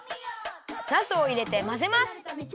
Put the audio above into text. なすをいれてまぜます。